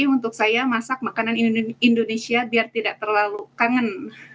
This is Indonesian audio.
untuk saya masak makanan indonesia biar tidak terlalu kangen